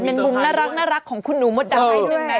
เป็นมุมน่ารักของคุณหนูมดด้านด้วย